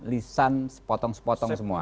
lisan sepotong sepotong semua